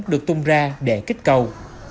được tung ra để kích cầu